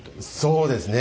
そうですね。